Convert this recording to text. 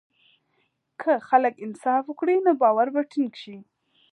که خلک انصاف وکړي، نو باور به ټینګ شي.